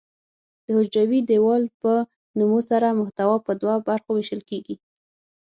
د حجروي دیوال په نمو سره محتوا په دوه برخو ویشل کیږي.